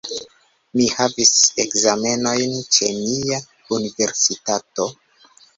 Mi havis ekzamenojn ĉe mia universitato.